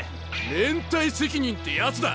連帯責任ってやつだ！